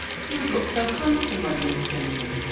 you would look so handsome when you were singing!